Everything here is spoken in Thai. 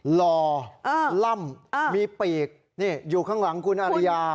หล่อล่ำมีปีกนี่อยู่ข้างหลังคุณอาริยา